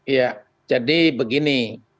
ya jadi begini